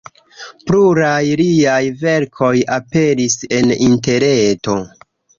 Pluraj liaj verkoj aperis en interreto.